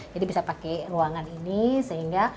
jadi bisa pakai ruangan ini sehingga